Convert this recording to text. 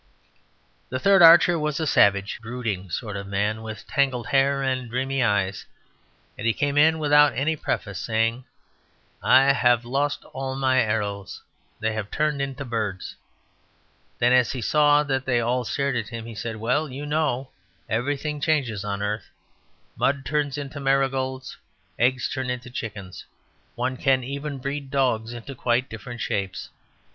The third archer was a savage, brooding sort of man with tangled hair and dreamy eyes, and he came in without any preface, saying, "I have lost all my arrows. They have turned into birds." Then as he saw that they all stared at him, he said "Well, you know everything changes on the earth; mud turns into marigolds, eggs turn into chickens; one can even breed dogs into quite different shapes.